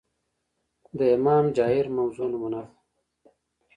د امام جائر موضوع نمونه ده